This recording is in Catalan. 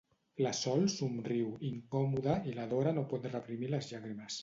La Sol somriu, incòmoda, i la Dora no pot reprimir les llàgrimes.